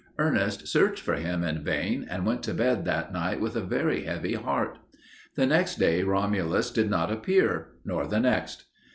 Ernest searched for him in vain and went to bed that night with a very heavy heart. The next day Romulus did not appear, nor the next.